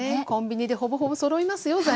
コンビニでほぼほぼそろいますよ